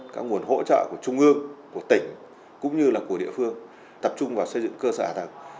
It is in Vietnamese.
các nguồn hỗ trợ của trung ương của tỉnh cũng như là của địa phương tập trung vào xây dựng cơ sở hạ tầng